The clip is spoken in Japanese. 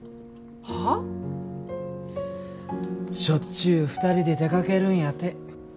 しょっちゅう２人で出かけるんやて。